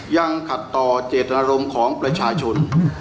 ยังขัดต่อเจตนารมณ์ของประชาชน